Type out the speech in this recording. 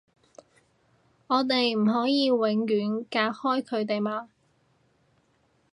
我哋唔可以永遠隔開佢哋嘛